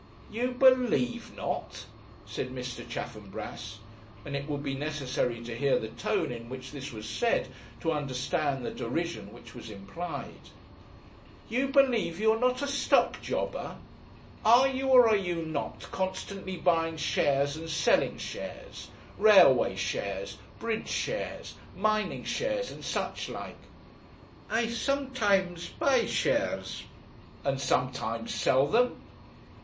'You believe not!' said Mr. Chaffanbrass and it would be necessary to hear the tone in which this was said to understand the derision which was implied. 'You believe you are not a stock jobber! Are you, or are you not, constantly buying shares and selling shares railway shares bridge shares mining shares and such like?' 'I sometimes buy shares.' 'And sometimes sell them?'